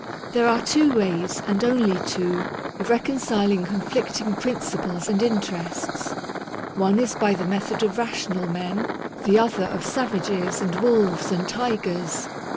There are two ways, and only two, of reconciling conflicting principles and interests. One is by the method of rational men ; the other, of savages and wolves and tigers.